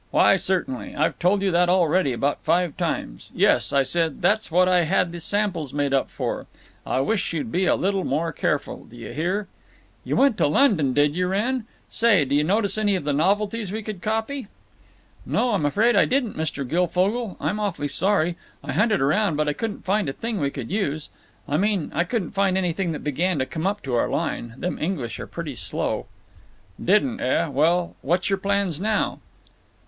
Why certainly. I've told you that already about five times. Yes, I said—that's what I had the samples made up for. I wish you'd be a little more careful, d' ye hear?) You went to London, did you, Wrenn? Say, did you notice any novelties we could copy?" "No, I'm afraid I didn't, Mr. Guilfogle. I'm awfully sorry. I hunted around, but I couldn't find a thing we could use. I mean I couldn't find anything that began to come up to our line. Them English are pretty slow." "Didn't, eh? Well, what's your plans now?"